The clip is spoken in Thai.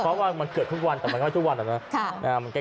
เพราะว่ามันเกิดทุกวันแต่ว่ามันก็จะต้องอยู่ทุกวัน